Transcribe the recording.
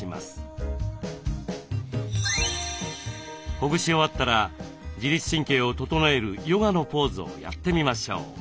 ほぐし終わったら自律神経を整えるヨガのポーズをやってみましょう。